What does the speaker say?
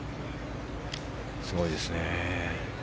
すごいですね。